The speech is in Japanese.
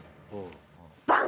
バン！